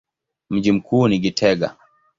Mji mkuu ni Gitega.